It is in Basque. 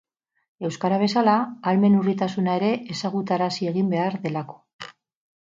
Euskara bezala, ahalmen urritasuna ere ezagutarazi egin behar delako.